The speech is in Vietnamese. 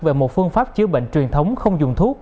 về một phương pháp chữa bệnh truyền thống không dùng thuốc